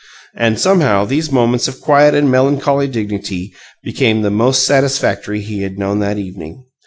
And somehow these moments of quiet and melancholy dignity became the most satisfactory he had known that evening.